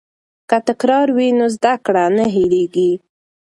که تکرار وي نو زده کړه نه هېریږي.